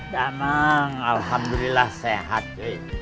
damang alhamdulillah sehat